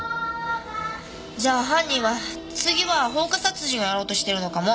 じゃあ犯人は次は放火殺人をやろうとしてるのかも。